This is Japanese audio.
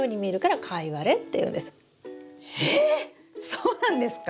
そうなんですか？